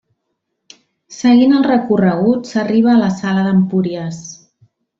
Seguint el recorregut s'arriba a la sala d'Empúries.